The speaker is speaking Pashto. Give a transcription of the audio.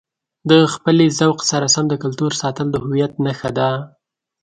د خپلې ذوق سره سم د کلتور ساتل د هویت نښه ده.